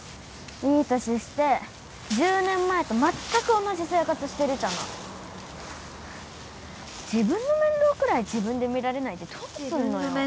いい年して１０年前と全く同じ生活してるじゃない自分の面倒くらい自分で見られないでどうすんのよ？